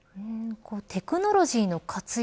テクノロジーの活用